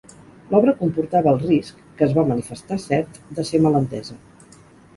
L'obra comportava el risc, que es va manifestar cert, de ser mal entesa.